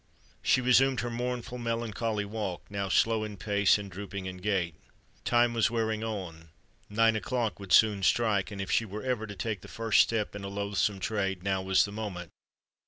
She resumed her mournful, melancholy walk, now slow in pace and drooping in gait. Time was wearing on—nine o'clock would soon strike—and if she were ever to take the first step in a loathsome trade, now was the moment!